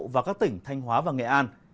và các tỉnh thanh hóa và nghệ an